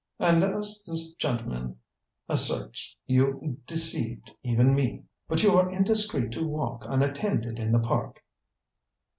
And, as this gentleman asserts, you deceived even me. But you are indiscreet to walk unattended in the park."